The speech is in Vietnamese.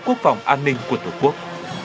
quốc phòng an ninh của tổ quốc